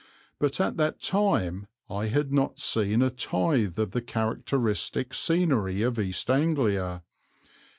But at that time I had not seen a tithe of the characteristic scenery of East Anglia.